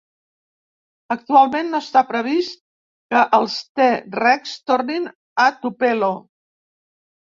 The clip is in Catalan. Actualment no està previst que els T-Rex tornin a Tupelo.